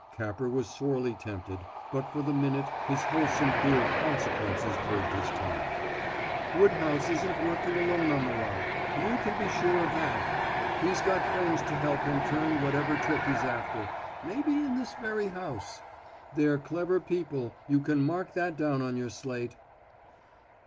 Capper was sorely tempted, but for the minute his wholesome fear of consequences curbed his tongue. "Woodhouse isn't working alone on the Rock; you can be sure of that. He's got friends to help him turn whatever trick he's after maybe in this very house. They're clever people, you can mark that down on your slate!"